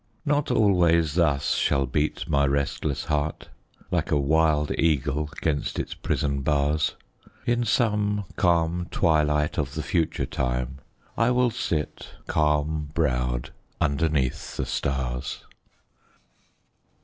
Not always thus shall beat my restless heart Like a wild eagle 'gainst its prison bars; In some calm twilight of the future time I will sit, calm browed, underneath the stars.